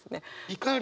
怒り。